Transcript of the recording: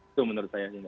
itu menurut saya